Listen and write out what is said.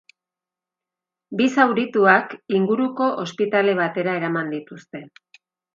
Bi zaurituak inguruko ospitale batera eraman dituzte.